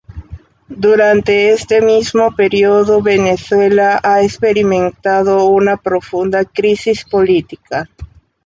Durante este mismo periodo Venezuela ha experimentado una profunda crisis política.